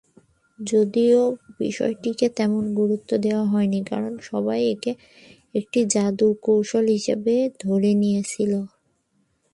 যদিও বিষয়টিকে তেমন গুরুত্ব দেয়া হয়নি কারণ সবাই একে একটি জাদু কৌশল হিসেবে ধরে নিয়েছিল।